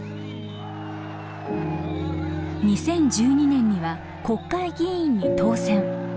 ２０１２年には国会議員に当選。